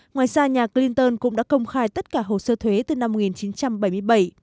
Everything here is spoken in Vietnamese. ngoài ra nhạc clinton cũng đã công khai tất cả hồ sơ thuế từ năm một nghìn chín trăm bảy mươi bảy